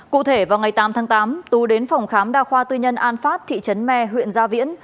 cụ thể vào ngày tám tháng tám tú đến phòng khám đa khoa tư nhân an phát thị trấn me huyện gia viễn